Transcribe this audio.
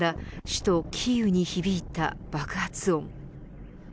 首都キーウに響いた爆発音。